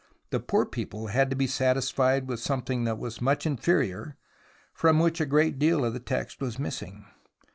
The poor people had to be satisfied with something that was much inferior, from which a great deal of the text was missing.